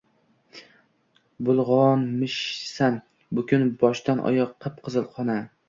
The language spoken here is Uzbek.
Bulgʻonmishsan bukun boshdan oyoq qip-qizil qona